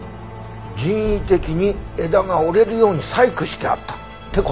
人為的に枝が折れるように細工してあったって事？